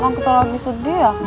kalau kita lagi sedih ya